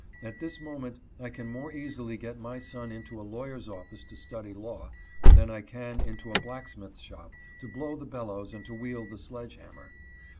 At this moment I can more easily get my son into a lawyer's office to study law than I can into a blacksmith's shop to blow the bellows and to wield the sledge hammer.